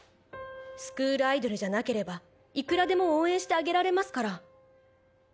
スクールアイドルじゃなければいくらでも応援してあげられますから。